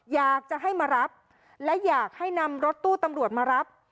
อยากจะให้มารับและอยากให้นำรถตู้ตำรวจมารับ